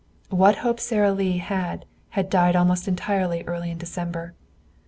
What hope Sara Lee had had died almost entirely early in December.